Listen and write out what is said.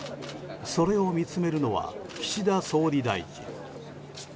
それを見つめるのは岸田総理大臣。